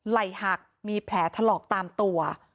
ไหล่หักมีแผลถลอกตามตัว